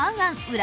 裏